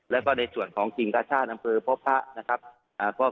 แล้วก็ในส่วนของจิงกาช่านำเฟอร์พบภะ